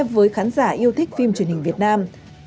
với khán giả yêu thích phim truyền hình việt nam